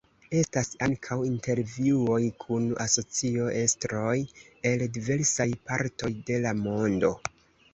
Estas ankaŭ intervjuoj kun asocio-estroj el diversaj partoj de la mondo.